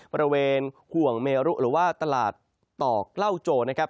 บริเวณห่วงเมรุหรือว่าตลาดต่อเกล้าโจนะครับ